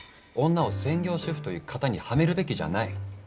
女を「専業主婦」という型にはめるべきじゃない。